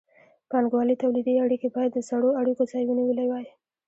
بانګوالي تولیدي اړیکې باید د زړو اړیکو ځای نیولی وای.